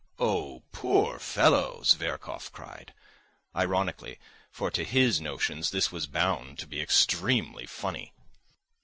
Oh, poor fellow!" Zverkov cried ironically, for to his notions this was bound to be extremely funny.